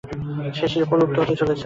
সেই শিল্প লুপ্ত হতে চলেছে।